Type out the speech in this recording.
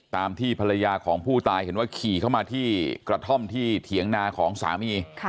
ตามที่ภรรยาของผู้ตายเห็นว่าขี่เข้ามาที่กระท่อมที่เถียงนาของสามี